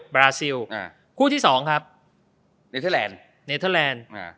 บราซิลอ่ากูที่สองครับเนทยาแหลนด์เนทยาแหลนด์อ่า